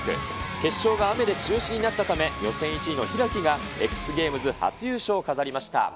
決勝が雨で中止になったため、予選１位の開がＸＧａｍｅｓ初優勝を飾りました。